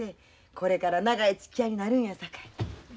これから長いつきあいになるんやさかいに。